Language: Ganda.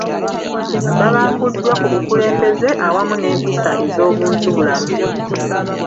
Babanguddwa ku bukulembeze awamu n’empisa ez’obuntubulamu